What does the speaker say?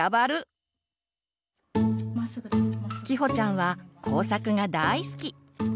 きほちゃんは工作が大好き。